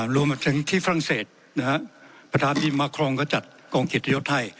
รวมมาถึงที่ฝรั่งเศสประธานีมะครองก็จัดกองกิจยศไทย